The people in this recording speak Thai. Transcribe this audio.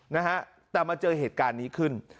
นะฮะแต่มาเจอเหตุการณ์นี้ขึ้น